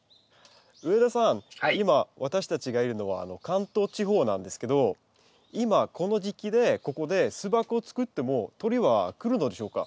今私たちがいるのは関東地方なんですけど今この時期でここで巣箱を作っても鳥は来るのでしょうか？